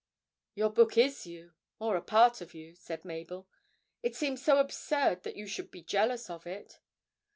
'Your book is you, or a part of you,' said Mabel. 'It seems so absurd that you should be jealous of it.'